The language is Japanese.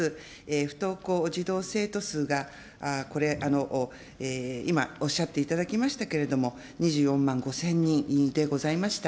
不登校児童・生徒数が、今おっしゃっていただきましたけれども、２４万５０００人でございました。